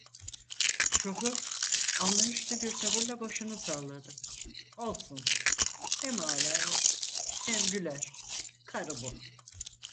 Şoför, anlayışlı bir tavırla başını salladı: "Olsun… Hem ağlar, hem güler… Karı bu…"